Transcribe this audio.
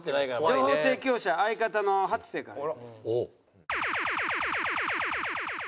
情報提供者相方の初瀬から。